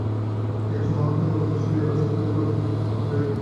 একজন মহান্ত প্রতি বৎসর নির্বাচন করিবে অধিক লোকের মত লইয়া।